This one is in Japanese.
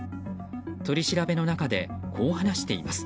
取り調べの中でこう話しています。